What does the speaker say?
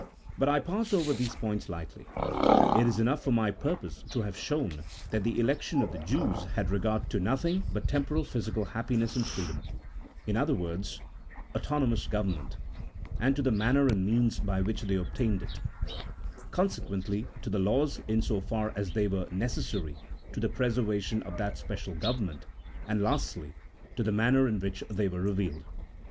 But I pass over these points lightly : it is enough for my purpose to have shown that the election of the Jews had regard to nothing but temporal physical happiness and freedom, in other words, autonomous govern ment, and to the manner and means by which they obtained it ; consequently to the laws in so far as they were neces sary to the preservation of that special government ; and, lastly, to the manner in which they were revealed.